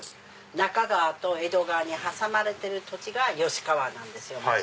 中川と江戸川に挟まれてる土地が吉川なんですよ。